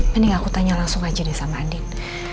mending aku tanya langsung aja deh sama andin